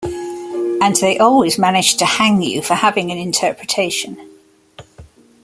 And they always manage to hang you for having an interpretation.